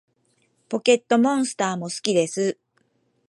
ポケットモンスターも好きです